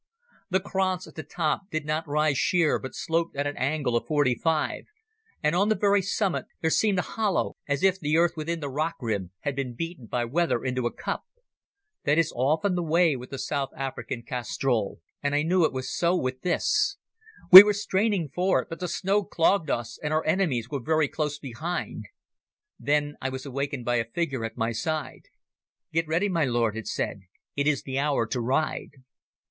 The kranz at the top did not rise sheer, but sloped at an angle of forty five, and on the very summit there seemed a hollow, as if the earth within the rock rim had been beaten by weather into a cup. That is often the way with a South African castrol, and I knew it was so with this. We were straining for it, but the snow clogged us, and our enemies were very close behind. Then I was awakened by a figure at my side. "Get ready, my lord," it said; "it is the hour to ride."